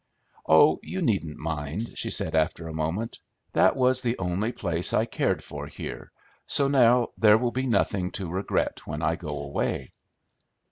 "Oh, you needn't mind," she said, after a moment. "That was the only place I cared for, here, so now there will be nothing to regret when I go away."